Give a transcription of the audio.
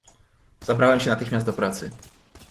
"Zabrałem się natychmiast do pracy."